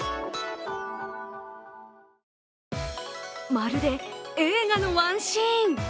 まるで映画のワンシーン。